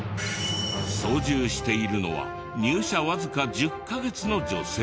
操縦しているのは入社わずか１０カ月の女性。